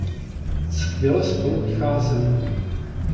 Skvěle spolu vycházeli.